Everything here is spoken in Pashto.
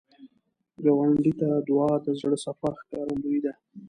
ګاونډي ته دعا، د زړه صفا ښکارندویي ده